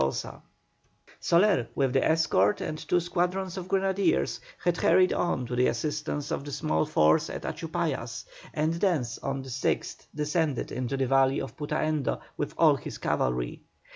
Soler, with the escort and two squadrons of grenadiers, had hurried on to the assistance of the small force at Achupallas, and thence on the 6th descended into the valley of Putaendo with all his cavalry.